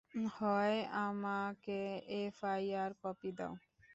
হয়, আমাকে FIR copy দাও।